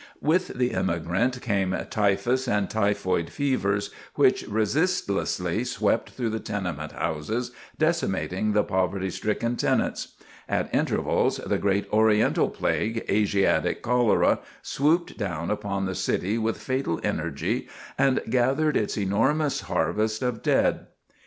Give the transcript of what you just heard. With the immigrant, came typhus and typhoid fevers, which resistlessly swept through the tenement houses, decimating the poverty stricken tenants. At intervals, the great oriental plague, Asiatic cholera, swooped down upon the city with fatal energy and gathered its enormous harvest of dead.